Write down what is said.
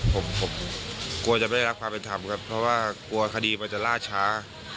ผมกลัวจะไม่ได้รับความเป็นธรรมครับเพราะว่ากลัวคดีมันจะล่าช้า